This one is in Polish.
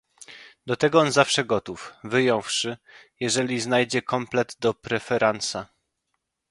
"Do tego on zawsze gotów, wyjąwszy, jeżeli znajdzie komplet do preferansa."